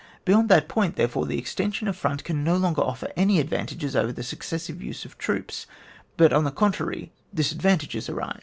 Beyond that point, therefore, the extension of front can no longer offer any advantages over the successive use of troops ; but, on the contrary, disad vantages arise.